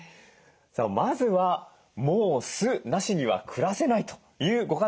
さあまずはもう酢なしには暮らせないというご家族を取材しました。